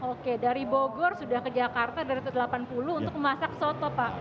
oke dari bogor sudah ke jakarta dari tahun delapan puluh untuk memasak soto pak